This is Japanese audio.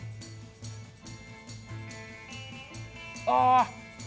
ああ！